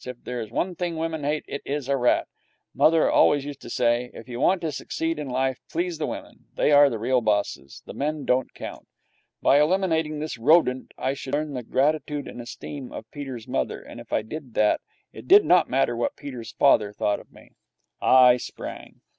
If there is one thing women hate, it is a rat. Mother always used to say, 'If you want to succeed in life, please the women. They are the real bosses. The men don't count.' By eliminating this rodent I should earn the gratitude and esteem of Peter's mother, and, if I did that, it did not matter what Peter's father thought of me. I sprang.